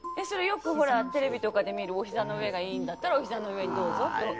それよくほらテレビとかで見るお膝の上がいいんだったらお膝の上にどうぞって。